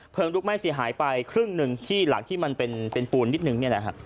เพลิงลุกไม้สีหายไปครึ่งนึงหลังที่มันเป็นปูนนิดนึง